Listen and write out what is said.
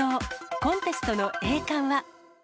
コンテストの栄冠は？